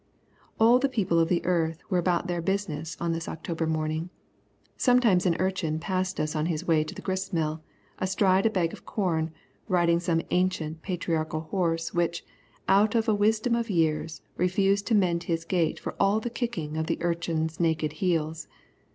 All the people of the earth were about their business on this October morning. Sometimes an urchin passed us on his way to the grist mill, astride a bag of corn, riding some ancient patriarchal horse which, out of a wisdom of years, refused to mend his gait for all the kicking of the urchin's naked heels.